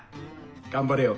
頑張れよ。